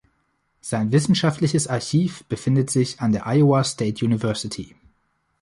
Sein wissenschaftliches Archiv befindet sich an der Iowa State University.